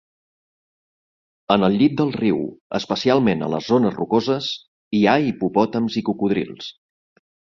En el llit del riu, especialment a les zones rocoses, hi ha hipopòtams i cocodrils.